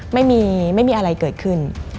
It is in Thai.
ไม่มีอะไรเกิดขึ้น